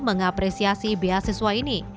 mengapresiasi beasiswa ini